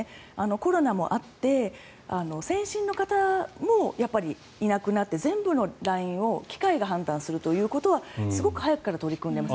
コロナもあって線審の方もいなくなって全部のラインを機械が判断するということはすごく早くから取り組んでいます。